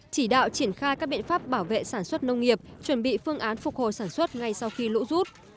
chỉ đạo triển khai các biện pháp bảo vệ sản xuất nông nghiệp chuẩn bị phương án phục hồi sản xuất ngay sau khi lũ rút